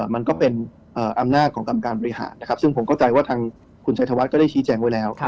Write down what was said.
มันก็เป็นอำนาจของกรรมการบริหารนะครับซึ่งผมเข้าใจว่าทางคุณชัยธวัฒน์ก็ได้ชี้แจงไว้แล้ว